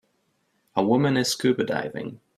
A woman is scuba diving